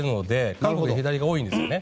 韓国、左が多いんですよね。